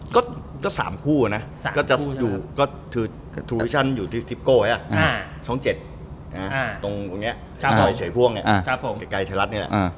ก็๓คู่นะก็จะอยู่ที่ทิศกรกษ์ช้อง๗ตรงตรงนี้ไกลเฉยพ่วงไงไกลไทยรัฐนี่แหละ